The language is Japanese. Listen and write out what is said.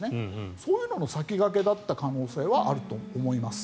そういうのの先駆けだった可能性はあると思います。